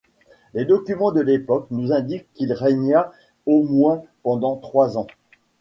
Les documents de l'époque nous indiquent qu'il régna au moins pendant trois ans.